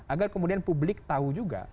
agar kemudian publik tahu juga